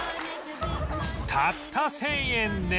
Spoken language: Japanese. たった１０００円で